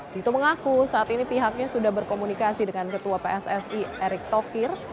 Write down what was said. tito mengaku saat ini pihaknya sudah berkomunikasi dengan ketua pssi erick thokir